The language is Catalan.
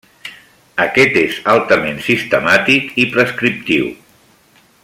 Aquest és altament sistemàtic i prescriptiu.